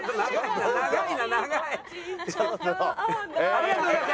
ありがとうございます。